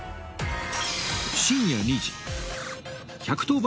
深夜２時１１０番